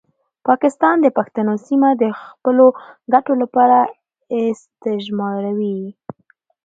پاکستان د پښتنو سیمه د خپلو ګټو لپاره استثماروي.